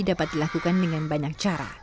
dapat dilakukan dengan banyak cara